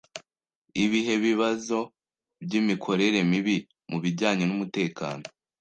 ibihe bibazo by'imikorere mibi mu bijyanye n'umutekano